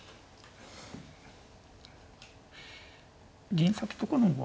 銀先とかの方が。